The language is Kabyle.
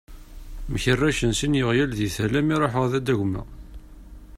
Mkerracen sin yeɣyal di tala mi ṛuḥeɣ ad ad d-agmeɣ.